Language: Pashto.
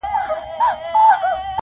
• خو د کلي اصلي درد څوک نه سي ليدلای..